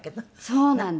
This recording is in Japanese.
そうなんです。